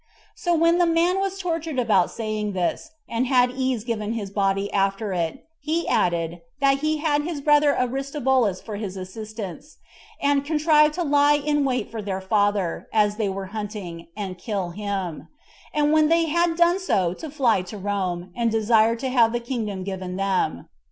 So when the man was tormented about this saying, and had ease given his body after it, he added, that he had his brother Aristobulus for his assistance, and contrived to lie in wait for their father, as they were hunting, and kill him; and when they had done so to fly to Rome, and desire to have the kingdom given them.